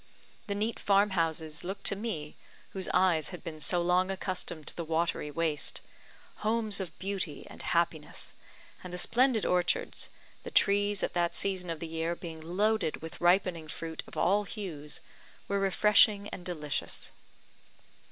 The neat farm houses looked to me, whose eyes had been so long accustomed to the watery waste, homes of beauty and happiness; and the splendid orchards, the trees at that season of the year being loaded with ripening fruit of all hues, were refreshing and delicious.